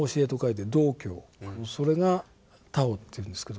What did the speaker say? それが「ＴＡＯ」というんですけど。